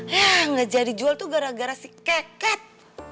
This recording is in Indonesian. ya nggak jadi jual tuh gara gara si keket